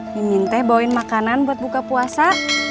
min minta bawa makanan buat buka puasa